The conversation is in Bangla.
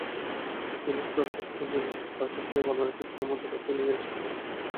তিনি সার্কাসে নয়, আমাকে সার্কাস নিয়ে বানানো একটি সিনেমা দেখাতে নিয়ে এসেছেন।